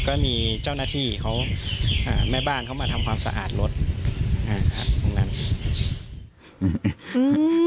ก็มีเจ้าหน้าที่เขาอ่าแม่บ้านเขามาทำความสะอาดรถอ่าครับตรงนั้น